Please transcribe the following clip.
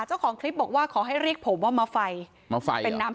เจ้าของคลิปบอกว่าขอให้เรียกผมว่ามาไฟมาไฟเป็นน้ำ